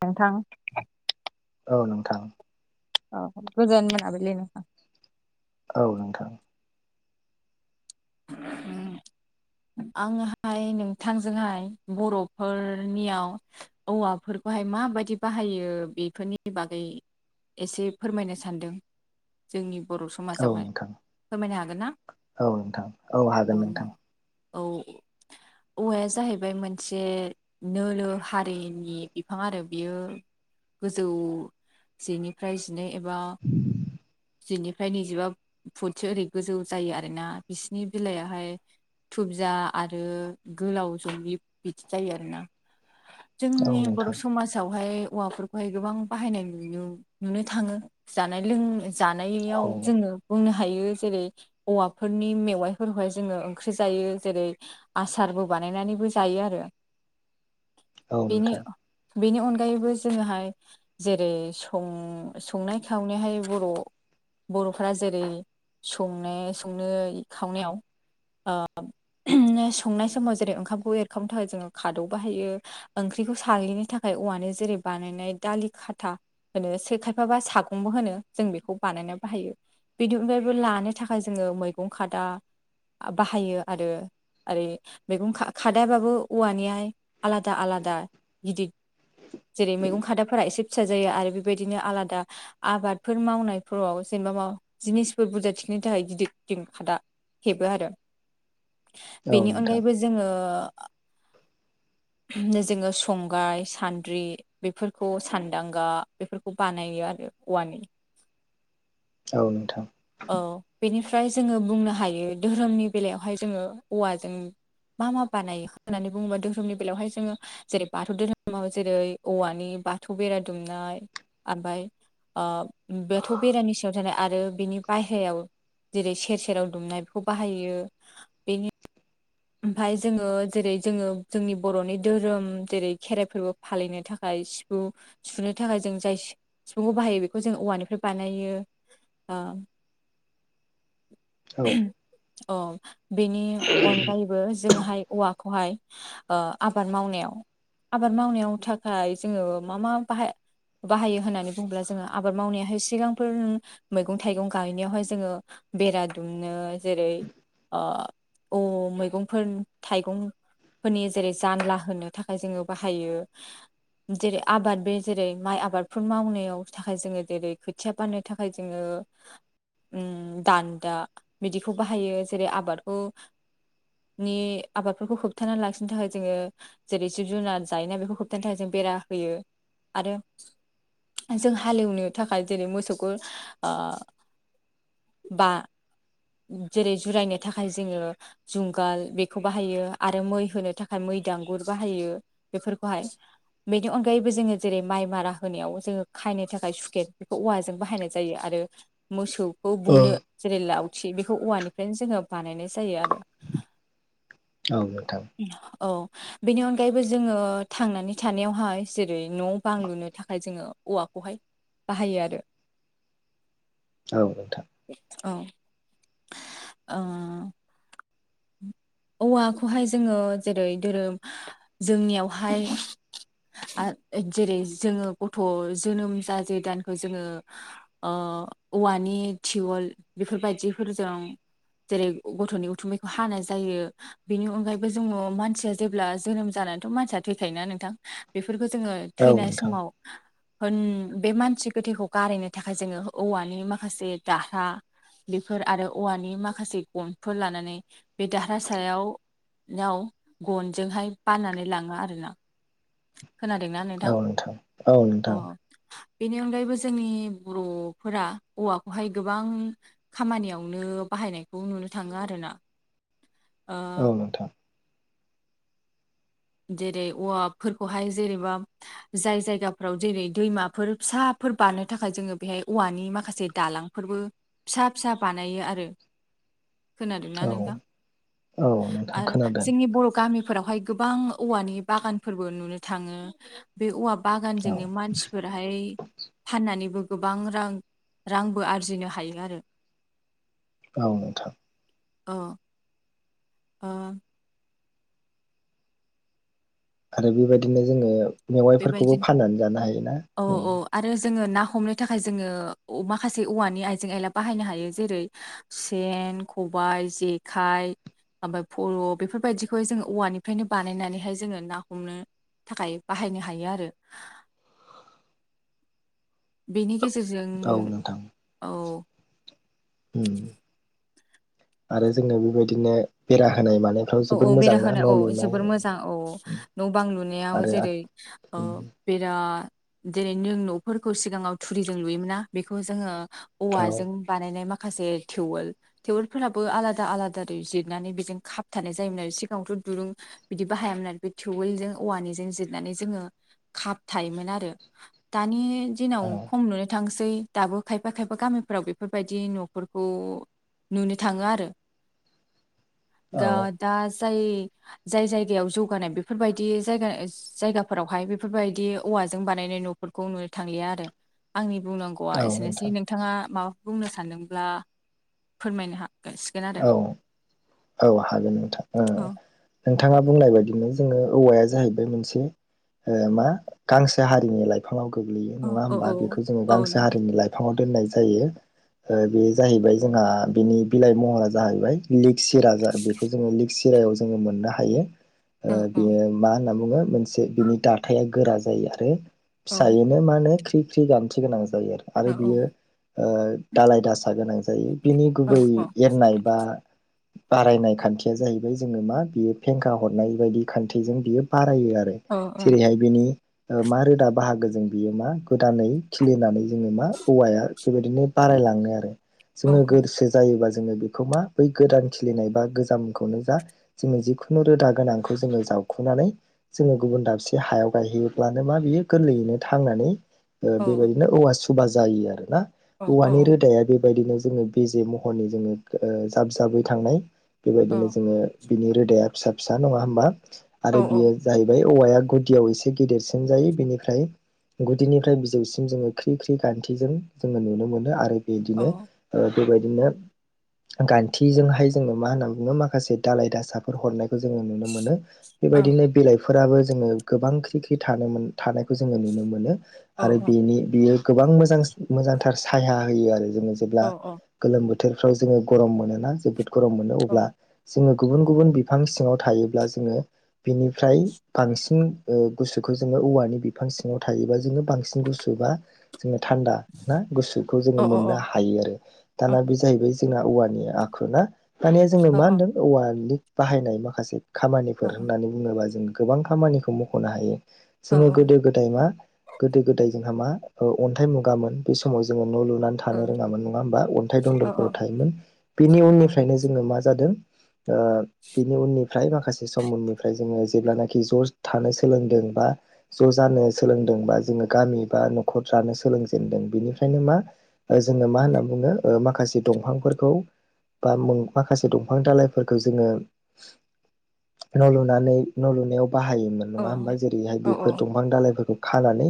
नोंथां? औ नोंथां। अ गोजोन मोनाबिलि नोंथां। औ नोंथां। उम आङोहाय नोंथांजोंहाय बर'फोरनियाव औवाफोरखौहाय मा माबायदि बाहायो बेफोरनि बागै एसे फोरमायनो सान्दों। जोंनि बर' औ समाजावहाय नोंथां फोरमायनो हागोन ना? औ नोंथां औ हागोन नोंथां। औ औवाया जाहैबाय मोनसे नोलो हारिनि बिफां आरो बियो गोजौ जेनिफ्राय जिनै एबा जिनिफ्राय नैजिबा फुटसो ओरै गोजौ जायो आरोना। बिसिनि बिलइायाहाय। थुबजा आरो गोलाव जनि बिदि जायो आरोना। औ जोंनि बर' नोंथां समाजावहाय। औवाफोरखौहाय गोबां बाहायनाय नु नुनो थाङो जानाय लों औ जानायाव जोङो बुंनो हायो जेरै औवाफ फोरनि मेवाइफोरखौहाय जोङो ओंख्रि जायो जेरै आसारबो बानायनानैबो जायो आरो। [inaudible] औ बेनि नोंथां। बेनि अनगायैबो जोङोहाय जेरैं संनाय खावनायहाय बर' बर'फोरा जेरै संनो संनो खावनायाव ओ संनाय समाव जेरै ओंखामखौ एरखांनो थाखाय जोङो खादौ बाहायो ओंख ओंख्रिखौ साग्लिनो थाखाय औवानो जेरै बानायनाय दालि खाथा। होनो खायफाबा सागंबो होनो जों बेखौ बानायनो बाहायो बिनि अनगायबो लानो थाखाय ज जोङो मैगं खादा बाहायो आरो। ओरै मैगं खादायाबाबो औवानिहाय आलादा आलादा गिद जेरै मैगं खादाफोरा एसे फिसा जायो आरो बेबायदिनो आलादा आबादफोर मावनायफोराव जे वा माव जिनिस बुरजा थिखोन- नि थाखाय गिदिर गिदिर खादा हेबो आरो औ बेनि नोंथां अनगायैबो जोङो। जोङो संग्राइ सान्द्रि बेफोरखौ सान्दांगा बेफोरखौ बानायो। आरो औवानि। औ नोंथां। औ बेनिफ्राय जोङो बुंनो हायो धोरोमनि बेलायावहाय जोङो औवाजों। मा मा बानायो होननानै बुङोबा धोरोमनि बेलायावहाय जोङो जेरै बाथौ धोरोमाव जेरै औवानि- बाथौ बेरा दुमनाय। ओमफ्राय ओ बाथौ बेरानि सायाव थानाय आरो बिनि बायहायाव जेरै सेर सेराव दुमनाय बेखौ बाहायो बेनि ओमफाय जोङो जेरै जोङो जोंनि बर'नि धोरोम जेरै खेराइ फोरबो फालिनो थाखाय सिफुं सुनो थाखाय जों जाय सिफुंखौ बाहायो बेखौ जों औवानिफ्राय बानायो। ओ। औ। औ बेनि अन गायैबो जोंहाय औवाखौहाय आबाद मावनायाव आबाद मावनायाव थाखाय जोङो मा मा बाहा बाहायो होननानै बुङोब्ला जोङो आबाद मावनायाहाय सिगांफोर मैगं थाइगं गायनायावहाय जोङो। बेरा दुमनो जेरै औ मैगंफोर थाइगं फोरनि जेरै जानला होनो थाखाय जोङो बाहायो। जेरै आबाद बे जेरै माइ आबादफोर मावनायाव थाखाय जोङो जेरै खोथिया बाननो थाखाय जोङो उम दान्दा बिदिखौ बाहायो जेरै आबादखौ नि आबादफोरखौ होबथाना लाखिनो थाखाय जोङो जेरै जिब - जुनार जायो ना बेखौ होबथानो थाखाय जों बे रा होयो आरो। जों हालेवनो थाखाय जेरै मोसौखो ओ बा जेरै जुरायनो थाखाय जोङो। जुंगाल बेखौ बाहायो आरो मै होनो थाखाय मै दांगुर बाहायो बेफोरखौहाय। बेनि अनगायैबो जोङो जेरै माइ मारा होनायाव जोङो खायनो थाखाय सुकेट बेखौ औवाजों बाहायनाय जायो आरो आरो मोसौखौ औ बुनो नोंथां जेरै लावथि बेखौ औवानिफ्रायनो जोङो बानायनाय जायो आरो औ नोंथां औ। बेनि अनगायैबो जोङो थांनानै थानायावहाय जेरै न' बां लुनो थाखाय जोङो औवाखौ हाय बाहायो आरो। औ नोंथां। औ ओ। औवाखौहाय जोङो जेरै धोरोम जोंनियावहाय जेरै जोङो गथ' जोनोम जाजे दानखौ जोङो औवानि थिवोल बेफोरबायदिफोरजों जेरै गथ'नि उथुमैखौ हानाय जायो बेनि अनगायैबो जोङो मानसिया जेब्ला जोनोम जानानैथ' मानसिया थैखायो नोंथां बे फोरखौ जोङो औ थैनाय नोंथां समाव होन बे मानसि गोथैखौ गारैनो थाखाय जोङो औवानि माखासे दाहा बेफोर आरो औवानि माखासे गनफोर लानानै बे दाह फिसायावाव [unintelligible] गनजोंहाय बाननानै लाङो आरोना खोनादोंना नोंथां औ औ अ बेनि अनगायैबो जोंनि बर'फोरा औवाखौहाय गोबां खामानियावनो बाहायनायखौ नुनो थाङो आरो ना औ नोंथां जेरै औवाफोरखौहाय जेनेबा जाय जायगाफोराव जेरै दैमाफोर फिसाफोर बारनो थाखाय जोङो बेहाय औवानि माखासे दालां फोरबो फिसा फिसा बानायो आरो खोनादोंना औ नोंथां औ नोंथां आरो खोनादों जोंनि बर' गामि फोरावहाय गोबां औवानि बागानफोरबो नुनो थाङो बे औवा औ बागानजोंनो मानसिफोरहाय फाननानैबो गोबां रां रांबो आरजिनो हायो आरो। औ नोंथां औ ओ आरो बे बायदिनो जोङो मेवाइफोरखौबो बेबायदिनो फाननानै जानो हायोना? औ औ आरो जोङो ना हमनो थाखाय जोङो माखासे औवानि आइजें आयला बाहायनो हायो। जेरै सेन ख बाइ जेखाइ ओमफ्राय फल' बेफोरबायदिखौहाय जोङो औवानिफ्रायनो बानायनानैहाय जोङो ना हमनो थाखाय बाहायनो हायो आरो। बेनि गेजेरजों औ नोंथां औ उम आरो जोङो बे बायदिनो बेरा होनाय मानायफ्राव औ जोबोद औ बेरा मोजां ना होना औ न' लुनाय जोबोर मोजां औ न' बां लुनायाव आरो जेरै ओ उम बेरा जेरै नों न'फोरखौ सिगाङाव थुरिजों लुयोमोना बेखौ जोङो औवाजों औ बानायनाय मा खासे थेवेल थेवलफोराबो आलादा आलादा जिरनानै बेजों खाब थानाय जायोमोन आरो सिगाङावथ' दुरुं बिदि बाहायामोन आरो बे थेवेलजों औवानि जोङो जिरनानै जोङो खाब थायोमोन आरो दानि दिनाव औ खम नुनो थांसै सै दाबो खायफा खायफा गामिफ्राव बेफोरबायदि न'फोरखौ नुनो थाङो आरो औ गा दास जाय जायगायाव जौगानाय बेफोरबायदि जायगाफोरावहाय बेफोर बायदि औवा औवा बाननाय न'खौ नुनो थांलिया आरो आंनि बुंनांगौआ औ एसेनोसै नोंथां नोंथाङा माबाफोर बुंनो सानदोंब्ला फोरमायनो हा सिगोन औ आरो। औ हागोन नोंथां औ नोंथाङा बुंनाय बायदिमोन जोङो औवाया जाहैबाय मोनसे मा गांसे हारिनि लाइफाङाव गोग्लैयो औ नङा होमबा बेखौ जोङो औ गांसे हारिनि लाइफाङाव दोननाय जायो ओ बेयो जाहैबाय जोंहा बिनि बिलाइ महरा जाहैबाय लिग सिरा बेखौ जोङो लिग सिरायाव जोङो मोननो हायो। बेयो मा होनना बुङो मोनसे बिनि दाथायाइा गोरा जायो आरो फिसायनो माने होनो ख्रि ख्रि गान्थि गोनां जायो आरो बियो दालाय दासा गोनां जायो बिनि गुबै एरनाय बा बारायनाय खान्थिया जाहैबाय जोङो मा बियो फेंखा हरनाय बायदि खान्थिजों बियो बार रायो आरो जेरैहाय बिनि मा रोदा बाहागो जों बियो मा गोदानै खिलिनानै जोङो मा औवाया बे बायदिनो बारायलाङो आरो जोङो गोरसो जायोब्ला जोङो बेखौ मा बै गोदान खिलिनाय बा गोजामखौनो जा जोङो जिखुनु रोदा गोनांखौ जोङो जाव खुनानै जोङो गुबुन दाबसे हायाव गायहैयोब्लानो मा बियो गोरलैयैनो थांनानै ओ बेबायदिनो औवा सुबा जायो आरो ना औवानि रोदाया बे बायदिनो जोङो बिजे महरनि जोङो जाब जाबै थांनाय बेबायदिनो जोङो बिनि रोदाया फिसा फिसा नङा होमबा? आरो बियो जाहैबाय औवाया गुदियाव एसे गिदेरसिन जायो। बेनिफ्राय गुदिनिफ्राय बिजौसिम जोङो ख्रि ख्रि गान्थिजों जोङो नुनो मोनो आरो बिदिनो ओ बेबायदिनो गान्थिजोंहाय जोङो मा होनना बुङो माखासे दालाय दासाफोर हरनाय जोङो नुनो मोनो। बेबायदिनो बिलाइ फोराबो जोङो गोबां ख्रि ख्रि थानो थानायखौ जोङो नुनो मोनो आरो बेनि बेयो गोबां मोजां मोजांथार सायहा होयो आरो जोङो जेब्ला गोलोम बो थोरफ्राव जोङो गरम मोनोना जोबोद गरम मोनो अब्ला जोङो गुबुन गुबुन बिफां सिङाव थायोब्ला जोङो बिनिफ्राय बांसिन ओ गुसुखौ जोङो औवानि बिफां सिङाव थायोबा जोङो बांसिन गुसु बा जोङो थान्दा ना गुसुखौ जोङो मोननो हायो आरो दाना बे जाहैबाय जोंना औवानि आखु ना दानिया जोंनो मा होनदों औवानि बाहायनाय माखासे खामानिफोर होननानै बुङोबा जों गोबां खामानिखौ मख'नो हायो जोङो गोदो गोदाय मा गोदो गोदाय जोंहा मा ओ अन्थाइ मुगामोन बे समाव जोङो न' लुनानै थानो रोङामोन नङा होमबा अन्थाइ दनदरफोराव थायोमोन बेनि उननिफ्रायनो जोङो मा जादों ओह बिनि उननिफ्राय माखासे सम उननिफ्राय जोङो जेब्लानाखि ज'ज थानो सोलोंदों बा ज' जानो सोलोंदों बा जोङो गामि बा न'खर जानो सोलोंजेनदों बेनिफ्रायनो मा ओ जोङो मा होनना बुङो ओह माखासे दंफांफोरखौ बा मुं माखासे दालाइफोरखौ जोङो न' लुनानै न' लुनायाव बाहायोमोन नङा होमबा जेरैहाय बेफोर नों दंफां दालाइफोरखौ खानानै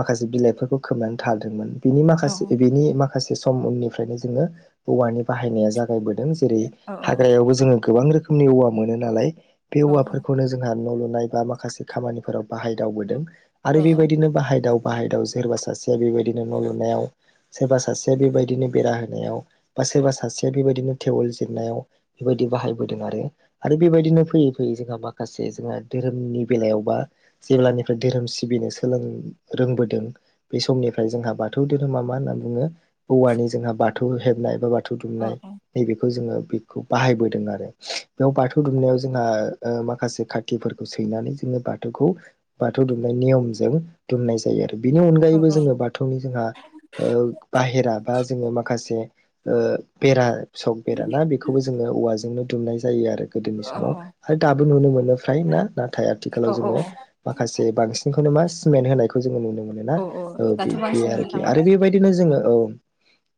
माखासे बिलाइफोरखौ खोबनानै थादोंमोन बिनि औ माखासे बि बिनि माख माखासे सम उननिफ्रायनो जोङो औवानि बाहायनाया जागायबोदों जेरै औ हाग्रायावबो जोङो गोबां रोखोमनि औवा मोनो नालाय बे औ औवाफोरखौनो जोंहा न' लु नाय बा माखासे खामानिफोराव बाहायदावबोदों औ आरो बेबादिनो बाहायदाव बाहायदाव सोरबा सासेया बेबायदिनो न' लुनायाव सोरबा सासेया बेबायदिनो बेरा होनायाव बा सोरबा सासेया बेबायदिनो टेबोल जिरनायाव बेबायदि बाहायबोदों आरो आरो बेबायदिनो फैयै फैयै जोङा माखासे जोंहा धोरोमनि बेलायावबा जेब्लानिफ्राय धोरोम सिबिनो सोलों रों बोदों बे समनिफ्राय जोंहा बाथौ धोरोमा मा होननान बुङो औवानि जोंहा बाथौ हेबनाय बा बाथौ औ दुमनाय नै बेखौ जोङो बेखौ बाहायबोदों आरो बेयाव बाथौ दुमनायाव जोंहा ओह माखासे खाथिफोरखौ सैनानै जों बाथौखौ बाथौ दुमनाय नियमजों दुमनाय जायो आरो बिनि अनगायैबो जोङो बाथौनि जोंहा ओह बाहेरा बा जोङो माखासे ओह बेरा सक बेरा ना बेखौबो जोङो औवाजोंनो दुमनाय जायो आरो गोदोनि समाव आरो दाबो नुनो मोनो फ्राय ना नाथाय औ आथिखालाव जोङो माखासे बांसिनखौनो मा सिमेत्त होनायखौ जोङो नुनो मोन ना औ बे दाथ' बे बांसिन नुनो आरोखि थाङो आरो बेबायदिनो जोङो औ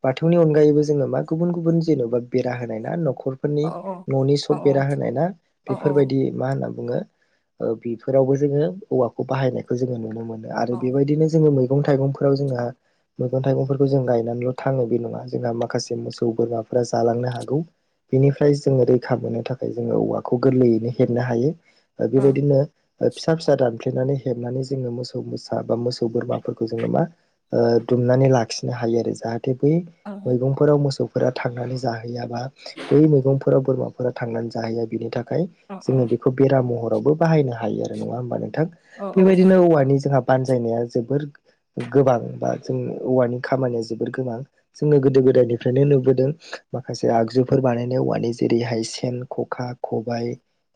बाथौनि अनगायैबो जोङो मा गुबुन गुबुन जेन'बा बेरा होनाय ना न' नखरफोरनि औ न'नि औ सब बेरा होनाय ना औ बेफोरबायदि मा होनना बुङो ओ बेफोरावबो जोङो औवाखौ बाहायनायखौ जोङो नुनो मोनो आरो औ बेबायदिनो जोङो मै मैगं थाइगंफोराव जोंहा मैगं थाइगंफोरखौ जों गायनानैल' थाङो बे नङा जोंहा मा माखासे मोसौ बोरमाफोरा जालांनो हागौ बेनिफ्राय जोङो रैखा मोननो थाखाय जोङो औवाखौ गोरलैयैनो हेबनो हायो ओ औ बेबायदिनो ओह फिसा फिसा दानफ्लेनानै हेबनानै जोङो मोसौ मोसा बा मोसौ बोरमाफोरखौ जोङो मा ओ दुम दुमनानै लाखिनो हायो आरो जाहाथे बै औ फ्राव मोसौफोरा थांनानै जाहैया बा बै मैगंफोराव बोरमाफोरा थांनानै जाहैया बेनि था खाय जोङो बेखौ बेरा महरावबो बाहायनो हायो आरो नङा होमबा नोंथां औ बेबायदिनो औवानि जोंहा बानजायनाया जोबोर गोबां बा जों औवानि खामानिया जोबोर गोबां। जोङो गोदो गोदायनिफ्रायनो नुबोदों माखासे आगजुफोर बानायनायाव औवानि जेरैहाय- सेन ख'खा खबाय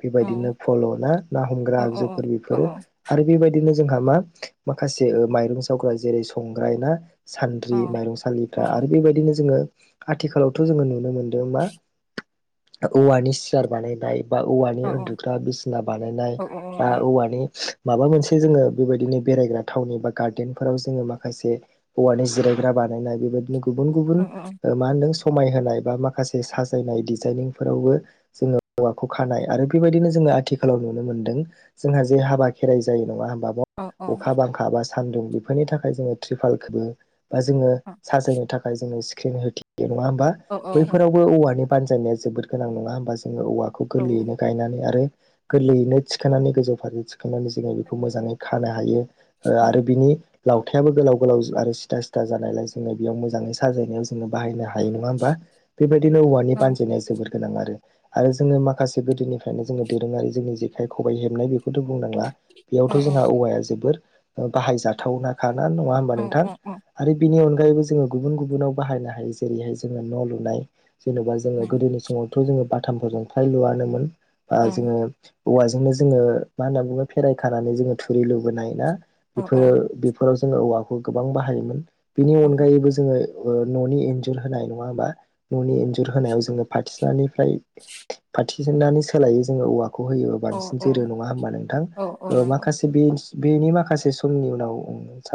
बेबायदिनो फल' ना ना हमग्रा आगजुफोर औ बेफोरो औ आरो बेबायदिनो जोंहा मा माखासे माइरं जावग्रा जेरै- संग्राय ना सान्द्रि माइरं सालिग्रा बेबायदिनो जोङो आथिखालावथ' जोङो नुनो मोनदों मा औवानि सियार बानायबाय बा औवानि उन्दुग्रा बिसिना बानायनाय बा औवानि माबा मोनसे जोङो बेबायदिनो बेरायग्रा थावनि बा गार्डेन फोराव जोङो माखासे औवानि जिरायग्रा बा बानायनाय बेबादिनो गुबुन गुबुन ओ मा होनदों सि समाय होनाय बा माखासे साजायनाय डिजाइनिं फोरावबो जोङो औवाखौ खानाय आरो बेबायदिनो जों आथिखालाव नुनो मोन्दों जोंहा जे हाबा खेराइ जायो नङा होम बाब' अखा बांखा बा सानदुं बेफोरनि थाखाय जोङो त्रिपाल खोङो बा जोङो साजायनो थाखाय जोङो स्क्रिन होथियो नङा होमबा बैफोरावबो औवानि बानजायनाया जोबोद गोनां नङा होमबा जोङो औवाखौ गोरलैयैनो गायनानै आरो गोरलैयैनो थिखांनानै गोजौ फारसे थिखांनानै जोङो बेखौ मोजाङै खानो हायो आरो बिनि लावथायाबो गोलाव गोलाव आरो सिदा सिदा जानायलाय जोङो बेयाव मोजाङै साजायनायाव जोङो बाहायनो हायो नङा होमबा बेबायदिनो औवानि बानजायनाया जोबोर गोनां आरो आरो जोङो माखासे गोदोनिफ्रायनो जोङो दोरोङारि जोंनि जेखाय खबाइ हेबनाय बेखौथ' बुंनांला बेयावथ' जोंहा औवाया जोबोर ओ बाहायजाथावना खाना नंआ होनबा नोंथां आरो बिनि अनगायैबो जोङो गुबुन गु बुनाव बाहायनो हायो जेरैहाय जोङो न' लुनाय जेन'बा जोङो गोदोनि समावथ' जोङो बा थामफोरजों फ्राय लुआनोमोन ओ जोङो औवाजोंनो जोङो मा होनना बुङो फेराय खानानै जोङो थुरि लुबोनाय ना बेफोरो बेफोराव जोङो औवाखौ गोबां बाहायोमोन बेनि अनगायैबो जोङो ओ न'नि एन्जुर होनाय नङा होमबा न'नि एन्जुर होनायाव जोङो फाथिसिनानिफ्राय फाथिसिनानि सोलायै जोङो औवा खौ होयोबा बांसिन जोरो नङा होमबा नोंथां औ ओ नंगौ माखासे बे बेनि माखासे समनि उनाव सा